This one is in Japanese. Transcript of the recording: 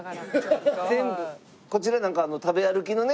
こちらなんか食べ歩きのね